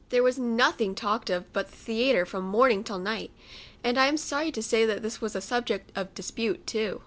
There was nothing talked of but the "Theatre" from morning till night; and I am sorry to say that this was a subject of dispute too.